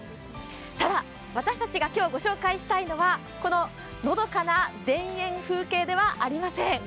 ただ、私たちが今日御紹介したいのはこののどかな田園風景ではありません。